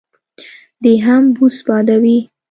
دی هم بوس بادوي.